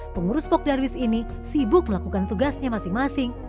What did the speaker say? pengurus pok darwis ini sibuk melakukan tugasnya masing masing